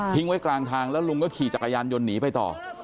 ไว้กลางทางแล้วลุงก็ขี่จักรยานยนต์หนีไปต่อ